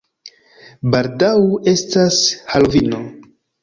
Baldaŭ estas Halovino.